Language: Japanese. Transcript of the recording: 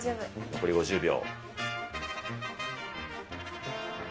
残り５０秒。